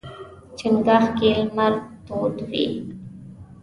چنګاښ کې لمر تود وي.